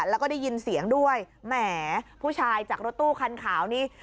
แล้วก็ได้ยินเสียงด้วยแหมผู้ชายจากรถตู้คันขาวนี่